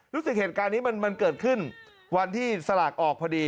เหตุการณ์นี้มันเกิดขึ้นวันที่สลากออกพอดี